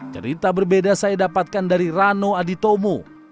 cerita berbeda saya dapatkan dari rano aditomo